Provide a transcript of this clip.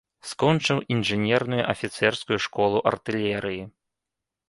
Скочыў інжынерную афіцэрскую школу артылерыі.